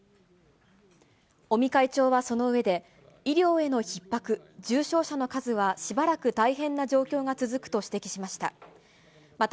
尾身会長はその上で、医療へのひっ迫、重症者の数は、しばらく大変な状況が続くと指摘しました。